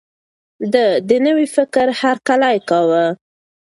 ده د نوي فکر هرکلی کاوه.